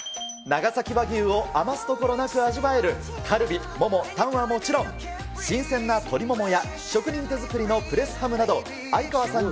長崎和牛を余すところなく味わえるカルビ、モモ、タンはもちろん、新鮮な鶏モモや職人手作りのプレスハムなど、あいかわさん